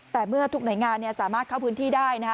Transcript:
แต่เมื่อทุกหน่วยงานสามารถเข้าพื้นที่ได้นะคะ